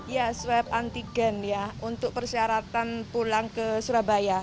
ya swab antigen ya untuk persyaratan pulang ke surabaya